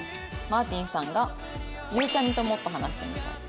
マーティンさんが「ゆうちゃみともっと話してみたい」。